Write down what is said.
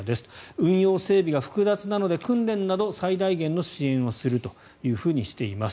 運用・整備が複雑なので訓練など最大限の支援をするとしています。